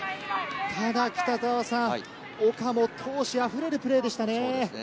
ただ、尾家も闘志あふれるプレーでしたね。